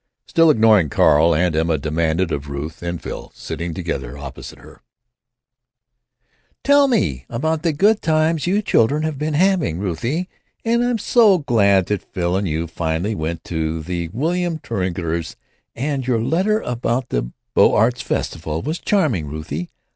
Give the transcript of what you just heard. Still ignoring Carl, Aunt Emma demanded of Ruth and Phil, sitting together opposite her: "Tell me about the good times you children have been having, Ruthie. I am so glad that Phil and you finally went to the William Truegates'. And your letter about the Beaux Arts festival was charming, Ruthie.